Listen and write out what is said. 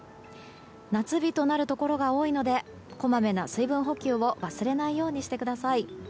夏日となるところが多いのでこまめな水分補給を忘れないようにしてください。